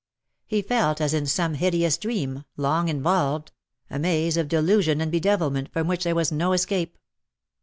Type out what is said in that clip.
He felt as in some hideous dream — long involved — a maze of delusion and bedevilment, from which there was no escape.